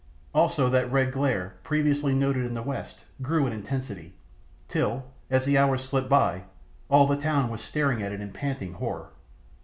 Also that red glare previously noted in the west grew in intensity, till, as the hours slipped by, all the town was staring at it in panting horror.